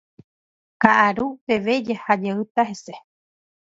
Ka'aru peve jaha jeýta hese.